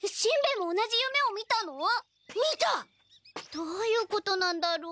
どういうことなんだろう？